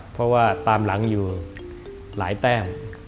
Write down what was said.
เพราะว่าตามหลังอยู่หลายแต้ม